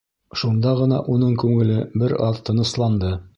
Шунда ғына уның күңеле бер аҙ тынысланды.